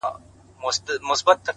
د تمرکز دوام بریا ته لاره هواروي